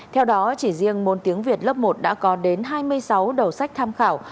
theo đó chỉ riêng môn tiếng việt lớp một đã có đến hai mươi sáu đầu sách tham khảo